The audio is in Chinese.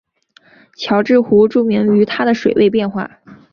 乔治湖著名于它的水位变化。